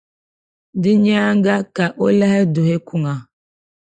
Di nyaaŋa ka o lahi duhi kuŋa.